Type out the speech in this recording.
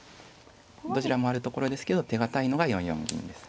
どちらもあるところですけど手堅いのが４四銀です。